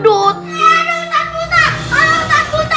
aduh ustadz buta